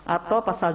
atau pasal delapan